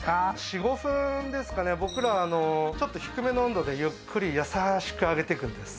僕らちょっと低めの温度でゆっくり優しく揚げていくんです